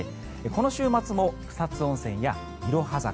この週末も草津温泉やいろは坂